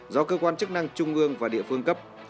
do cơ quan chức năng trung ương và địa phương cấp